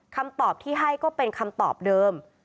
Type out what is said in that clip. คำตอบที่ให้ก็เป็นคำตอบเดิม